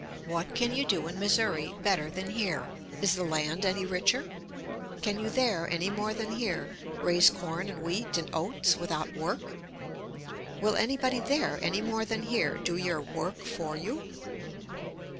What can you do in Missouri better than here? Is the land any richer? Can you there, any more than here, raise corn and wheat and oats without work? Will anybody there, any more than here, do your work for you?